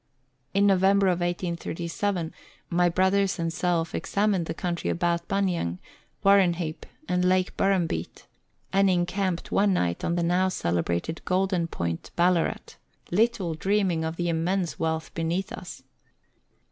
In Novem ber of 1837, my brothers and self examined the country about Buninyong, Warrenheip, and Lake Burrumbeet, and encamped one night on the now celebrated Golden Point, Ballarat, little dreaming of the immense wealth beneath us.